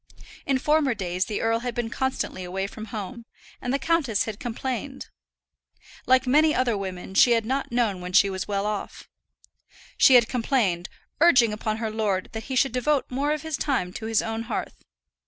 In former days the earl had been constantly away from home, and the countess had complained. Like many other women she had not known when she was well off. She had complained, urging upon her lord that he should devote more of his time to his own hearth.